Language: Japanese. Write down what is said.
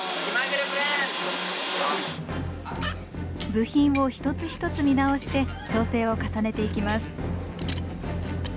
部品を一つ一つ見直して調整を重ねていきます。